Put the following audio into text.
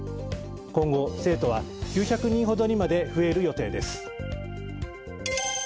今後、生徒は９００人ほどにまで増える予定です。